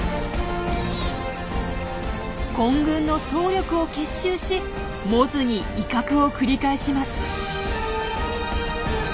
混群の総力を結集しモズに威嚇を繰り返します。